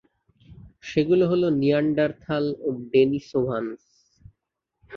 সেগুলো হলো নিয়ানডার্থাল ও ডেনিসোভানস।